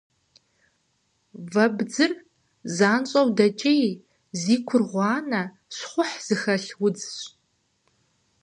Вэбдзыр занщӏэу дэкӏей, зи кур гъуанэ, щхъухь зыхэлъ удзщ.